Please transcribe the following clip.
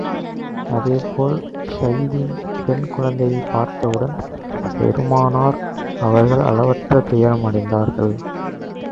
அதே போல் ஸைதின் பெண் குழந்தையைப் பார்த்தவுடன் பெருமானார் அவர்கள் அளவற்ற துயரம் அடைந்தார்கள்.